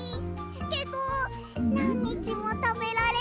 けどなんにちもたべられるのもいい！